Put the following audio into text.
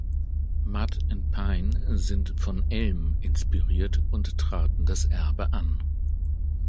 Mutt und Pine sind von "elm" inspiriert und traten das Erbe an.